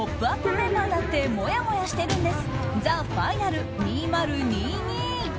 メンバーだってもやもやしているんです！